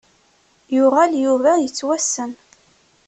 Yuɣal Yuba yettwassen.